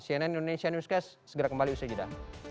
cnn indonesia newscast segera kembali usai jeda